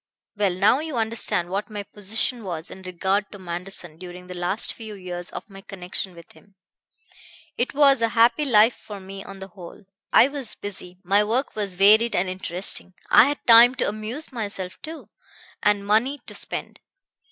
"Well, now you understand what my position was in regard to Manderson during the last few years of my connection with him. It was a happy life for me on the whole. I was busy, my work was varied and interesting. I had time to amuse myself, too, and money to spend.